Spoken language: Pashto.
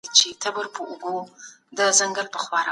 د غالب د دیوان په اړه بحث وسو.